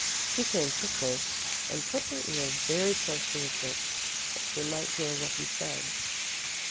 She came quickly, and put her ear very close to his lips that she might hear what he said.